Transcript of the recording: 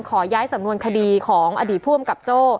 ขอย้ายสำนวนคดีของอดีตผู้อำกับโจ้